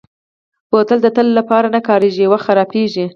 بوتل د تل لپاره نه کارېږي، یو وخت خرابېږي.